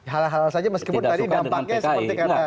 halal halal saja meskipun tadi dampaknya seperti kata